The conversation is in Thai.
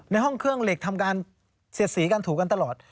ในห้องเครื่องเหล็กทำการเสียดสีกันถูกกันตลอด